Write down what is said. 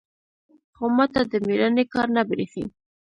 خو ما ته د ميړانې کار نه بريښي.